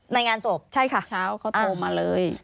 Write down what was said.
ในงานศพใช่ค่ะเช้าเขาโทรมาเลย